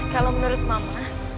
kalau menurut mama